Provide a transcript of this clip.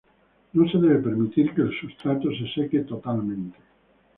No se debe permitir que el sustrato se seque totalmente.